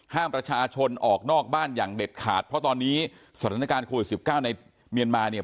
ห้ามประชาชนออกนอกบ้านอย่างเด็ดขาดเพราะตอนนี้สถานการณ์โควิด๑๙ในเมียนมาเนี่ย